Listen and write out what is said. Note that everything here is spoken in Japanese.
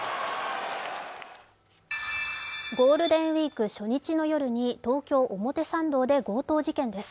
ゴールデンウイーク初日の夜に、東京・表参道で強盗事件です。